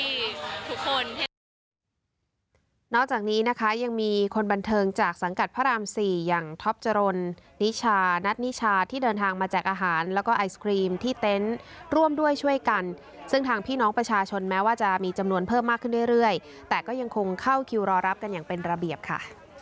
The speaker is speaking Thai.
นอกจากนี้นะคะยังมีคนบันเทิงจากสังกัดพระรามสี่อย่างท็อปจรนนิชานัทนิชาที่เดินทางมาแจกอาหารแล้วก็ไอศครีมที่เต็นต์ร่วมด้วยช่วยกันซึ่งทางพี่น้องประชาชนแม้ว่าจะมีจำนวนเพิ่มมากขึ้นเรื่อยแต่ก็ยังคงเข้าคิวรอรับกันอย่างเป็นระเบียบค่ะ